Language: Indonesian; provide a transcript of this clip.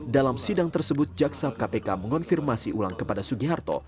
dalam sidang tersebut jaksa kpk mengonfirmasi ulang kepada sugiharto